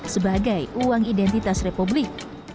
sebagai uang identitas republik